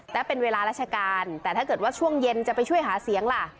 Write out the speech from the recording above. และเป็นเวลาราชการแต่ถ้าเกิดว่าช่วงเย็นจะไปช่วยหาเสียงล่ะ